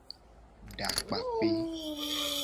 Dakpape.